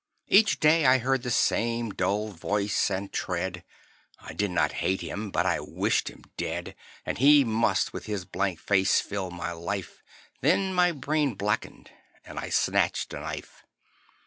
Each day I heard the same dull voice and tread; I did not hate him: but I wished him dead. And he must with his blank face fill my life Then my brain blackened; and I snatched a knife.